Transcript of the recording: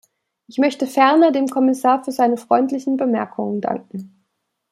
Ich möchte ferner dem Kommissar für seine freundlichen Bemerkungen danken.